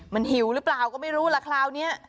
มันหิวหรือเปล่าก็ไม่รู้ล่ะคราวนี้